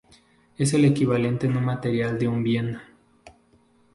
Es el equivalente no material de un bien.